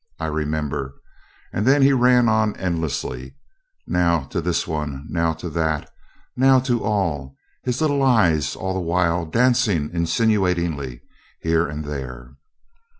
I remember " And he ran on endlessly, now to this one, now to that, now to all, his little eyes all the while dancing insinuatingly here and there.